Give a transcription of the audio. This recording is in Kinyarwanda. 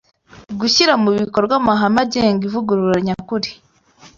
gushyira mu bikorwa amahame agenga ivugurura nyakuri